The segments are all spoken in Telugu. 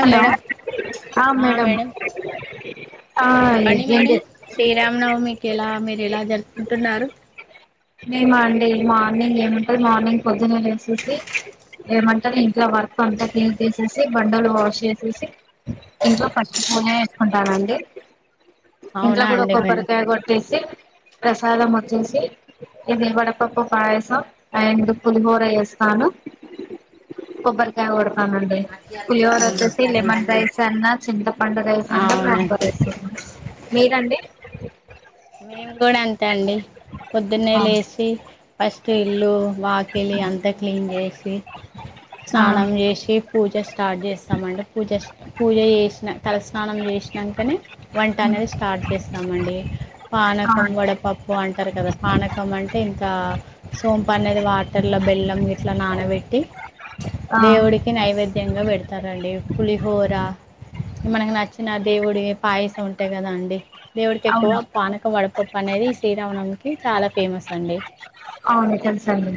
హలో మేడం ఆ చెప్పండి ఏం చే మేడం, శ్రీరామనవమికెలా మీరెలా జరుపుకుంటున్నారు. ఏమ అండి మార్నింగ్ ఏమంటది మార్నింగ్ పొద్దున్న లే వేసేసి ఏమంటనే ఇంట్లో వర్క్ అంతా క్లీన్ చేసేసి బండలు వాష్ చేసేసి ఇంట్లో ఫస్ట్ న వేసుకుంటానండి ఇంట్లో అవునా కూడా అండి మేడం కొబ్బరికాయ కొట్టేసి ప్రసాదం వచ్చేసి ఇది వడపప్పు పాయసం అండ్ పులిహోర వేస్తాను కొబ్బరికాయ ఓడపానడి పులివర వచ్చేసి లెమన్ రైస్ అన్నా చింతపండు రైస్ అన్నా బంబ అవునండి రైస్ అన్నా మీరండి నే అవును లేచి ఫస్ట్ ఇల్లు వాకిలి అంతా క్లీన్ చేసి ఆ స్నానం చేసి పూజ స్టార్ట్ చేస్తామంటే పూజ పూజ చేసిన తలస్నానం చేసినాకనే వంట హ్మ్ అనేది స్టార్ట్ చేస్తామండి ఆ పానకం వడపప్పు అంటారు కదా పానకం అంటే ఇంకా సోంపు అనేది వాటర్ ల బెల్లం గీట్లా నానబెట్టి ఆ దేవుడికి నైవేద్యంగా పెడతారండి పులిహోర మనకి నచ్చిన దేవుడివి పాయసం ఉంటాయి కదా అండి దేవుడుకి ఎక్కువ అవును పానకం వడపప్పు అనేది శ్రీరామనమం కి చాలా ఫేమస్ అండి అవును తెలుసండి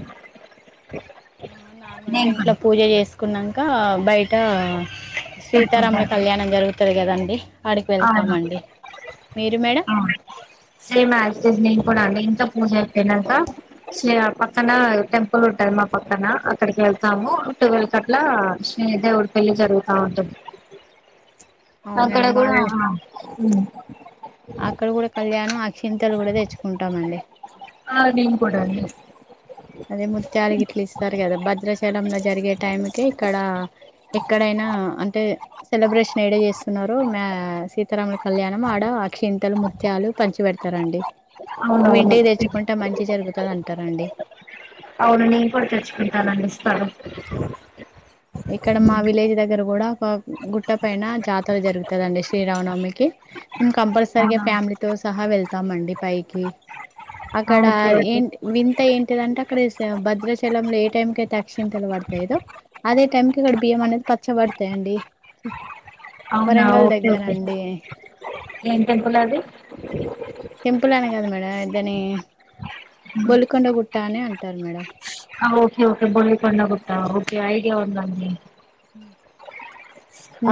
ఆ నార్మల్గా నేను కూడా ఇంట్లో పూజ చేసుకున్నా ఇంకా బయట తెలుసు సీతారాముల తెలుసు కళ్యాణం జరుగుతది కదండీ మీరు madam same as it is నేను కూడా అండి పూజ అయిపోయినాక పక్కన టెంపుల్ ఉంటది మా పక్కన అక్కడికి వెళ్తాము ట్వెల్వ్ అట్లా శ్రీని దేవుడి పెళ్లి జరుగుతా ఉంటది ఆక్కడ అవునండి మా కూడా ఊ ఆ ఉ అక్కడ కూడా కళ్యాణం అక్షింతలు కూడా తెచ్చుకుంటామండి ఆ నేను కూడా అండి అదే ముత్యాల గిట్ల ఇస్తారు కదా భద్రాచలంలో జరిగే టైం కె ఇక్కడ ఎక్కడైనా ఆ అంటే సెలబ్రేషన్ ఏడ చేస్తున్నారు మా సీతారామ కళ్యాణం ఆడ అక్షింతలు ముత్యాలు పంచి పెడతారండి అవి అవునవును ఇంటికి తెచ్చుకుంటే మంచి జరుగుతంది అంటారండి అవును నేను కూడా తెచ్చుకుంటానండి ఇస్తారు ఇక్కడ మా హ్మ్. విలేజ్ దగ్గర గుడా ఒక గుట్ట పైన జాతర జరుగుతదండి శ్రీరామనవమికి మేం కంపల్సరిగా అవునా ఫ్యామిలీతో సహా వెళ్తాం అండి పైకి ఆ! అక్కడ ఓకే ఏ ఓకే వింత ఏంటిదంటే అక్కడ భద్రాచలంలో ఏ టైంకి అయితే తాక్షింతల వాడతాయిో అదే టైంకి ఇక్కడ బియ్యం అనేది పచ్చ పడతాయండి అవునా ఓకే ఓకే ఏం టెంపుల్ అది టెంపుల్ అని కదా మేడ దాని బొలికొండ గుట్ట అనే అంటారు మేడం ఓకే ఓకే బొల్లి కొండ గుట్ట ఓకే ఐడియా ఉందండి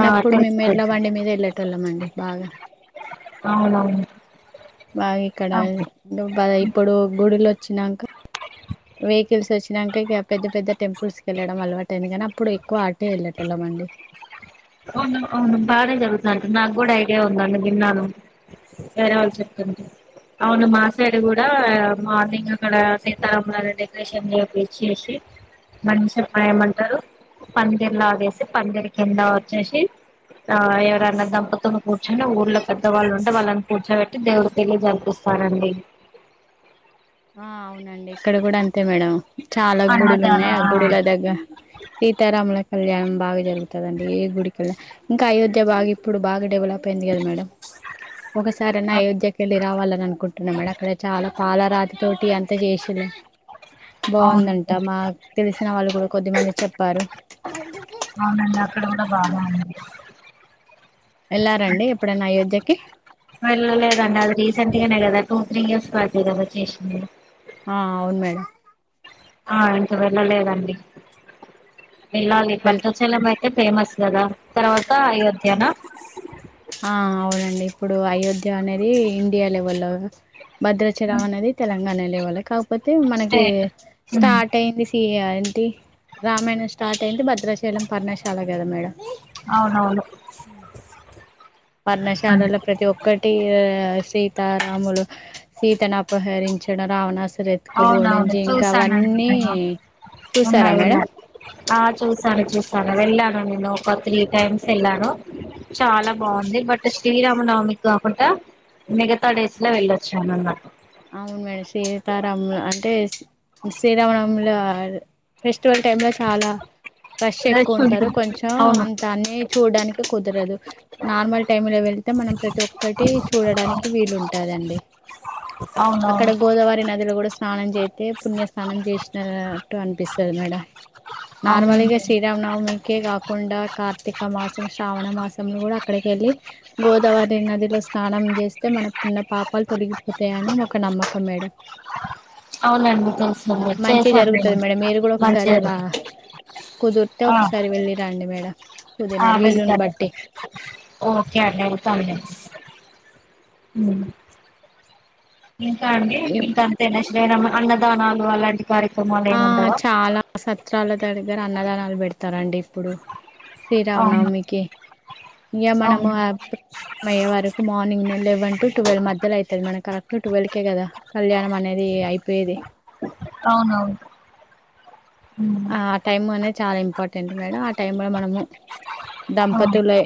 ఆ తెలుసు మేము ఎడ్ల తెలుసు బండి మీద వెళ్లేటోళ్లమండి బాగా అవునవును బాగా ఇక్కడ ఆహా! బ ఇప్పుడు గుడులు వచ్చినాక వే కలిసి వచ్చినాక ఇక పెద్ద పెద్ద టెంపుల్స్ వెళ్ళడం అలవాటయింది కానీ అప్పుడు ఎక్కువ ఆటే వెళ్లేటోళ్ళమండి అవును అవును బాగా జరుగుత అంట నాకు కూడా అయితేే ఉందండి విన్నాను వేరే వాళ్ళు చెప్తుంది అవును మా సైడు కూడా మార్నింగ్ అక్కడ సీతారామల డెకరేషన్ చేపిచ్చేసి మంచం ఆ ఏమంటారు పందిర్లా ఆగేసి పందిరి కింద వచ్చేసి ఆ ఎవరన్నా దంపతుని కూర్చొని ఊర్ళలో పెద్దవాళ్ళు ఉంటే వాళ్ళని కూర్చోెట్టి దేవుడు పెళ్లి జరిపిస్తా పదండి ఆ అవునండి ఇక్కడ కూడా అంతే మేడం చాలా గుడులు అన్నదాన ఉన్నాయి ఆ గుడుల దగ్గ సీతారాముల కళ్యాణం బాగా జరుగుతదండి ఏ గుడికి కెళ్ళా ఇంకా అయోధ్య బాగా ఇప్పుడు బాగా డెవలప్ పోయింది కదా మేడం ఒకసారన్నా ఆ అయోధ్యకి వెళ్ళి రావాలని అనుకుంటున్నా మేడం అక్కడ చాలా పాల రాతి తోటి అంతా చేసిళ్ళు బాగుందంట అవునండి మాకు తెలిసిన వాళ్ళు కూడా కొద్దిమంది చెప్పారు అవునండి అక్కడ కూడా బానే ఉంది వెళ్లారండి ఎప్పుడన్నా అయోధ్యకి సంతగానే కదా టూ త్రీ ఇయర్స్ పడతాది కదా చేసింది ఆ అవును మేడం ఆ ఇంక వెళ్ళలేదండి వెళ్ళాలి వెళ్తా పట్టచల మయ్ టే ఫేమస్ కదా తర్వాత అయోధ్యనా ఆ అవునండి ఇప్పుడు అయోధ్య అనేది ఇండియా లెవెల్ల్లో భద్రాచలం అనేది తెలంగాణ లేవాలి కాకపోతే మనకి స్టేట్ ఉమ్ స్టార్ట్ అయింది ది అంటి రామాయణం స్టార్ట్ అయింది బద్ చిత్రశైలం పర్ణశాల కదా మేడం అవునవును వర్ణశాలలో ప్రతి ఒక్కటీ సీతారాములు సీతను అపహరించిన రావణాసు రెతుకపోవడం అవునవును జింకా చూసానండి అవన్నీ నేను చూసారా ఉన్నాయి మేడం ఉన్నాయి ఆ చూసాను చూస్ తను వెళ్ళాను నేను ఒక త్రీ టైమ్స్ వెళ్ళాను చాలా బాగుంది బట్ శ్రీరామనవమికి కాకుండా మిగతా డేస్ లో వెళ్ళొచ్చా అన్న అవును మేడం సీతారాములు అంటే సీ శ్రీరామనముల ఫెస్ స్ట్ ఉంటేనే చాలా రష్ ఎక్కువ ఉంటారు ఉంటుంది కొంచెం అవును అంత అన్ని చూడడానికి కుదరదు నార్మల్ టైమ్ లో వెళ్తే మనం ప్రతి ఒక్కటి చూడడానికి వీలుంటాదండి అక్కడ అవునవును గోదావరి నదిలో కూడా స్నానం చేత్తే పుణ్యస్నానం చేసినట్టు అనిపిస్తది మేడం నార్మల్గా అవునండి శ్రీరామనవమికే కాకుండా కార్తిక్ ర్తిక మాసం శ్రావణ మాసం కూడా అక్కడికి వెళ్ళి గోదావరి నదిలో స్నానం చేస్తే మనకున్న ఉన్నా పాపాలు తొలగిపోతాయని ఒక నమ్మకం మేడం అవునండి తెలుసండి మంచి చేశాను నేను జరుగుతది మేడం మీరు కూడా ఒకసారి మంచిగా అలా జరిగింది కుదిరితే ఆ ఒకసారి వెళ్ళిరండి మేడం ఆ కుదిరిన వీలుని వెళ్తాం బట్టి ఒకే అండి వెళ్తాంలే మ్మ్ ఇంకా అండి ఇంకా అంతేనా శ్రీరామ అన్నదానాలు అలాంటి కార్యక్రమాలు ఏమి ఉండవా చిత్రాల దగ్గర అన్నదానాలు పెడతారండి ఇప్పుడు అవును శ్రీరామనవమికి ఇగా మనము అవును అబ్ అయ్యే వరకు మార్నింగ్ నుల్ వన్ టు టువల్ మధ్యలో అయితది మనం కరెక్ట్ టువల్కే కదా కళ్యాణం అనేది అయిపోయేది అవునవును ఉమ్ ఆ ఆ టైం అనేది చాలా ఇంపార్టెంట్ మేడం ఆ టైమ్ లో మనము అవును దంపతులే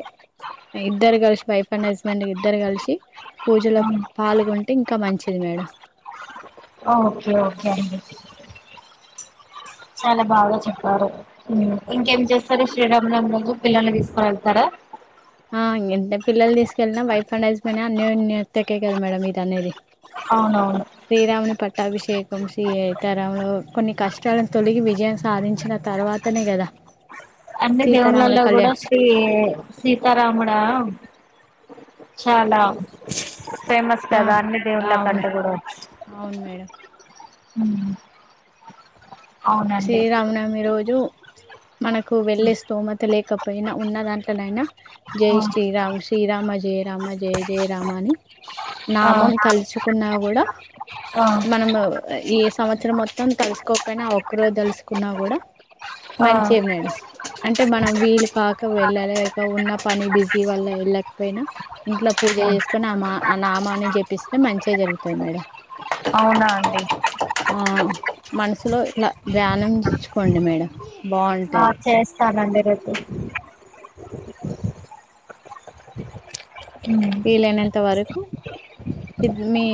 ఇద్దరు కలిసి వైఫ్ అండ్ హస్బెండ్ ఇద్దరు కలిసి పూజలో అవును పాల్గొంటే ఇంకా మంచిది మేడం ఆ ఓకె ఓకె అండి చాలా బాగా చెప్పారు ఇంకేం చేస్తారు శ్రీరామనవమి రోజు పిల్లల్ని తీసుకు వెళ్తారా అ ఆ పిల్లలు తీసుకెళ్ళినా వైఫ్ అండ్ హస్బెండ్ అన్యోన్యతకే కదా మేడం మీరు అనేది అవునవును శ్రీరాముని పట్టాభిషేక్ సి తరంలో కొన్ని కష్టాలను తొలగి విజయం సాధించిన తర్వాతనే కదా అంటే సీతారాముల దేవున్లల్లో కూడా కళ్యాణ్ శ్రీ సీతారామన్ ఆ చాలా ఫేమస్ కదా అన్ని ఆ అవును దేవుళ్ళకంటే కూడా అవును మేడం మ్మ్ సీరామనవమి రోజు మనకు వెళ్ళే స్థోమత లేకపో పెయినా ఉన్న దాంట్లోనైనా జై శ్రీరామ్ శ్రీరామ జయ రామ జయ జయ రామ అని ఆ నామం తలుచుకున్నా కూడా ఆ మనము ఈ సంవత్సరం మొత్తం తలుసుకోకపోయినా, ఆ ఒక్కరోజ్ తలుసుకున్నా కూడ ఆ మంచే ఆ మేడం అంటే, మనం వీలు కాక వెళ్ళలేక ఉన్న పని బిజీ వాళ్ల వెళ్ళకపోయినా, ఇంట్లో పూజ చేసుకొని ఆ మా ఆ నామాన్ని జపిస్తే మంచే జరుగుతది మేడం. అవునా అండి ఆ మనసులో ఇలా ధ్యానంచిచుకోండి మేడం. ఆ బాగుంటది చేస్తానండి రేపు. వీలైనంత వరకు ఇద్ మీ,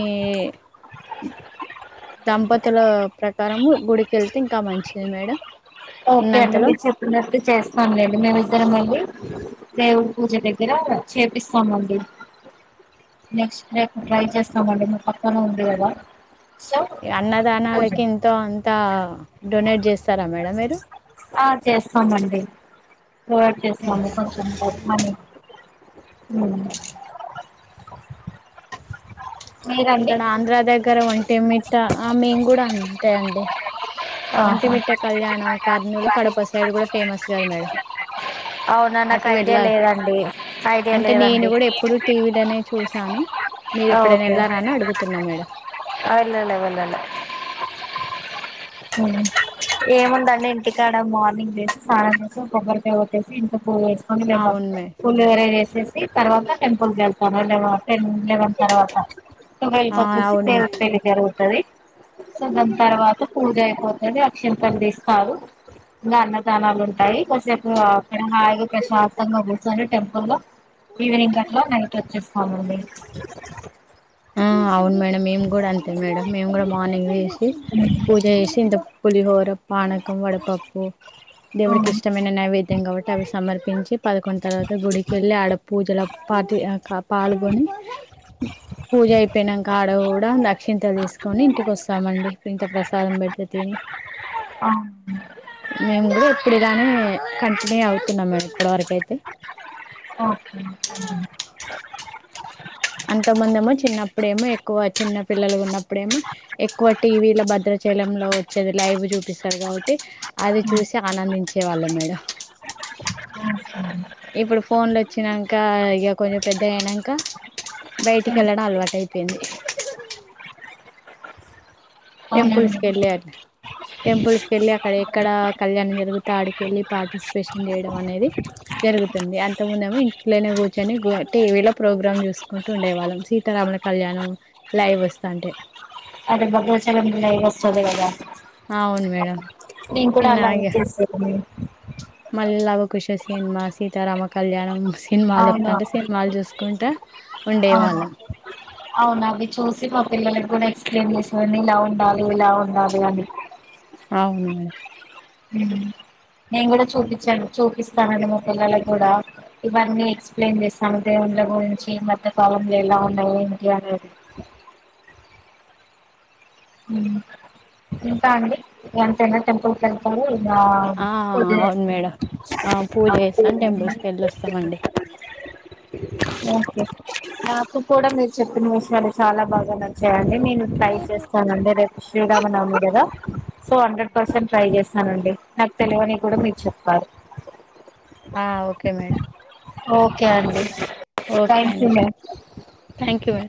దంపతుల ప్రకారము గుడికెళ్తే ఇంకా మంచిది మేడం. ఓకే అండి. ఉన్నంతలో మీరు చెప్పినట్టే చేస్తాం లెండి. మేమిద్దరం వెళ్లి దేవుడి పూజ దగ్గర చేపిస్తామండి. నెక్స్ట్ రేపు ట్రై చేస్తామండి. మీ పక్కన ఉంది కదా! సో పూజ అన్నదానాలకి ఎంతో అంత డొనేట్ చేస్తారా మేడం మీరు? డ్ డొనేట్ చేస్తా మీ కొంచెం పప్మని మ్ మీరండి ఇక్కడ ఆంధ్ర దగ్గర ఒంటి మిట్ట. ఆ మేం కూడా అంతే అండి. ఆహా ఒంటిమిట్ట కళ్యాణం కర్నూల్ కడప సైడ్ కూడ ఫేమస్ కదు మేడం. అవునా నాకు అటు ఐడియా వెళ్ళారు. లేదండి ఐడియా అంటే నేను లేదండి కూడా ఎప్పుడు టీవీలోనే చూశాను. ఆ ఓకె కె. ఆ వెల్లలె. వెల్లలె. మ్ ఏముందండి, ఇంటికాడ మార్నింగ్ లేసి, స్నానం చేసి ఒక కొబ్బరికాయ కొట్టేసి ఇంట్లో పూ వేసుకొని వెళ్ళాం. అవును మేడం పుల్లు వరై వేసేసి తర్వాత టెంపుల్ వెళ్తాను లేవ టెన్, లెవెన్ తర్వాత టూవెల్కి ఆ వచ్చేసి అవును దేవుడ్ మేడం పెళ్లి జరుగుతది. సో దాన్ తర్వాత పూజ అయిపోత్ అది అక్షంతలు తీస్తారు. ఇంకా అన్నదానాలు ఉంటాయి. కాసేపు పైనాగి ప్రశాంతంగా గూసోని టెంపుల్లో. ఈవినింగ్ కి అట్లా, నైట్ వచ్చేస్తామండి. ఆ అవును మేడం. మేము కూడా అంతే మేడం. మేము కూడా మార్నింగ్ పోయేసి తి పూజ చేసి ఇంత పులిహోర, పాణకం, వడపప్పు. దేవుడికి అవును ఇష్టమైన నైవేద్ ద్యం కాబట్టి అవి సమర్పించి, పదకొండు తర్వాత గుడికెళ్ళి, ఆడ పూజల పాతివి పాల్గొని పూజ అయిపోయినంక ఆడ కూడ, దక్షింతలు తీసుకొని ఇంటికి వస్తామండి. ఇంత ప్రసాదం పెడితే తిని. అవును మేము కూడ ఎప్పుడిగానే, కంటిన్యూ అవుతున్నాం. మేము ఇప్పటి వరక అయితే. ఓకె [unintelligible] అంతముందెమో, చిన్నప్పుడేమో, ఎక్కువ చిన్న పిల్లలుగ ఉన్నప్పుడేమో, ఎక్కువ టీవీల భద్ర చలంలో వచ్చేది లైవ్ చూపిస్తారు కాబట్టి, అది చూసి ఆనందించే వాళ్ళం మేడం. ఆ ఇప్పుడు ఫోన్లు వచ్చినంక, ఇగ కొంచెం పెద్దగయినంకా బయటికి వెళ్ళడం అలవాటయిపోయింది. టెంపుల్స్ అవునండి కెళ్ళి అట్లా [unintelligible] టెంపుల్స్ కెళ్ళి అక్కడ ఎక్కడ అ కళ్యాణం జరుగుతే ఆడికెళ్ళి పార్టిసిపేషన్ చేయడం అనేది, జరుగుతుంది. అంత ముందెమో ఇంట్లోనే కూర్చొని గు టీవీలో ప్రోగ్రామ్ చూసుకుంటూ ఉండేవాళ్ళం. సీతారమ్ రమణ కళ్యాణం లైవ్ వస్తంటే. అదే భద్రాచలం లైవ్ వస్తది గదా! అవును మేడం నేను కూడ అలాగే చేసేదాన్ని మళ్ళ లావకుష సినిమా సీతారామ కళ్యాణం సినిమాలు అవును వత్తంటే సినిమాలు చూసుకుంటా అవును ఉండేవాళ్ళం అవును అవి చూస్ సినిమా పిల్లలకి కూడా ఎక్స్ప్లెయిమ్ చేసినా ని ఇలా ఉండాలి ఇలా ఉండాలి అని అవును మేడమ్ మ్మ్ నేను కూడా చూపించను చూపిస్తానండి మా పిల్లల కి కూడా ఇవన్నీ ఎక్సప్లయిన్ చేస్తాను దేవుండ్ల గురించి ఈ మధ్య కాలంలో ఎలా ఉన్నాయి ఏంటి అనేది ఇంకా అండి ఎంతైనా టెంపుల్ కెళ్తారు ఆ [inaudible] అవును మేడం ఆ పూజ చేస్తాం టెంపుల్స్ కి వెళ్ళొస్తామండి ఓకే నాకు కూడా మీరు చెప్పిన విషయాలు చాలా బాగా నచ్చయండి నేను ట్రై చేస్తానండి రేపు శ్రీరామ నవమి గదా సో హండ్రెడ్ పర్సెంట్ ట్రై చేస్త స్తను అండి నాకు తెలవనివి కూడా మీరు చెప్పారు ఆ ఓకే మేడమ్ ఓకే అండి థ్యాంక్ యు మ్యామ్ కు వరే